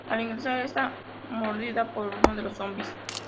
Al ingresar, es mordida por uno de los zombis.